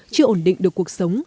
chưa ổn định được cuộc sống